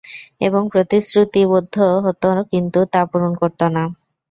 এবং প্রতিশ্রুতিবদ্ধ হত কিন্তু তা পূরণ করত না।